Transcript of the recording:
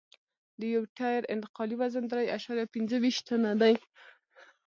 د یو ټیر انتقالي وزن درې اعشاریه پنځه ویشت ټنه دی